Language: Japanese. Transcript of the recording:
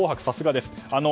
さすがです。